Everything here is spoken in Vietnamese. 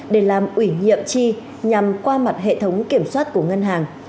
để làm ủy nhiệm chi nhằm qua mặt hệ thống kiểm soát của ngân hàng